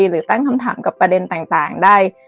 หรือตั้งคำถามกับประเด็นต่างได้